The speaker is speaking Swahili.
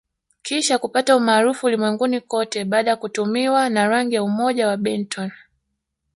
Kisha kupata umaarufu ulimwenguni kote baada ya kutumiwa na rangi ya umoja wa Benetton